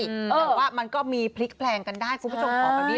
แต่ว่ามันก็มีพลิกแพลงกันได้คุณผู้ชมของวันนี้